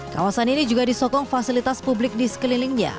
kawasan ini juga disokong fasilitas publik di sekelilingnya